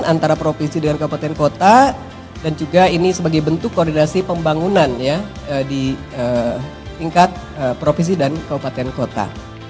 antara provinsi dengan kabupaten kota dan juga ini sebagai bentuk koordinasi pembangunan di tingkat provinsi dan kabupaten kota